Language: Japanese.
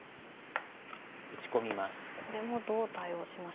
打ち込みます。